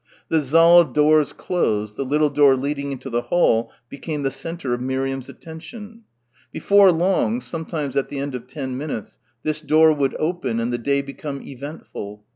The saal doors closed, the little door leading into the hall became the centre of Miriam's attention. Before long, sometimes at the end of ten minutes, this door would open and the day become eventful.